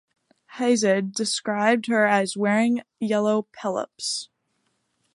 Hesiod describes her as "wearing a yellow "peplos".